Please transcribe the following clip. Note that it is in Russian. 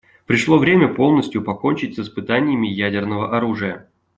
Пришло время полностью покончить с испытаниями ядерного оружия.